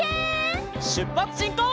しゅっぱつしんこう！